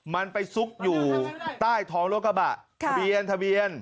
มันไปซุกอยู่ใต้ท้องรถกระบะทะเบียนทะเบียน